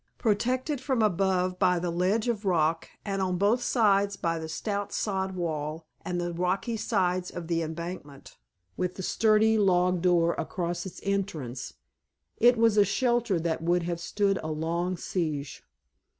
Protected from above by the ledge of rock, and on both sides by the stout sod wall and the rocky sides of the embankment, with the sturdy log door across its entrance, it was a shelter that would have stood a long siege.